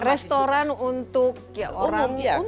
restoran untuk orang